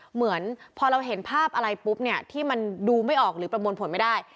เหมือนพอเราเห็นภาพอะไรปุ๊บเนี่ยที่มันดูไม่ออกหรือประมวลผลไม่ได้